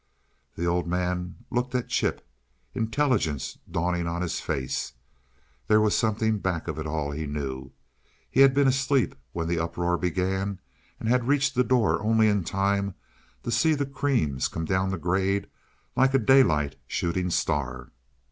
The Old Man looked at Chip, intelligence dawning in his face. There was something back of it all, he knew. He had been asleep when the uproar began, and had reached the door only in time to see the creams come down the grade like a daylight shooting star.